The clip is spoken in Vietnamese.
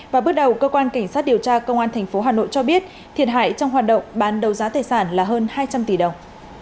và bước đầu cơ quan cảnh sát điều tra công an tp hà nội cho biết thiệt hại trong hoạt động bán đấu giá tài sản là hơn hai trăm linh tỷ đồng